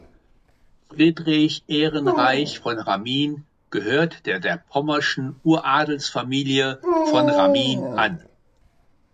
Friedrich Ehrenreich von Ramin gehörte der pommerschen Uradelsfamilie von Ramin an.